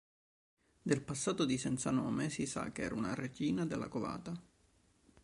Del passato di Senza-Nome si sa che era una regina della Covata.